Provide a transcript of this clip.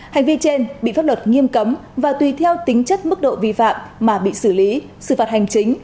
hành vi trên bị pháp luật nghiêm cấm và tùy theo tính chất mức độ vi phạm mà bị xử lý sự phạt hành chính